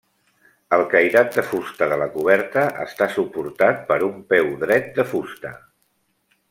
El cairat de fusta de la coberta està suportat per un peu dret de fusta.